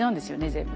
全部。